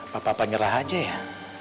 papa nyerah aja ya